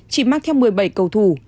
chỉ mang theo một mươi bảy cầu thủ